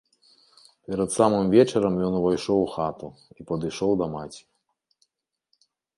Перад самым вечарам ён увайшоў у хату і падышоў да маці.